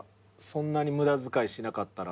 そんなに無駄遣いしなかったら。